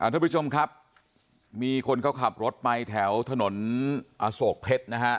ทุกผู้ชมครับมีคนเขาขับรถไปแถวถนนอโศกเพชรนะฮะ